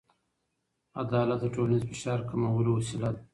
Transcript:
عدالت د ټولنیز فشار کمولو وسیله ده.